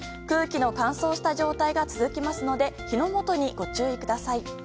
空気の乾燥した状態が続きますので火の元にご注意ください。